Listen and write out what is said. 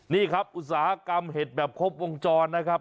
นี่ครับอุตสาหกรรมเห็ดแบบครบวงจรนะครับ